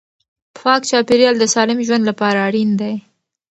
پاک چاپیریال د سالم ژوند لپاره اړین دی.